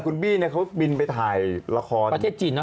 คุณบี้เนี่ยเขาบินไปถ่ายละครประเทศจีนเนอ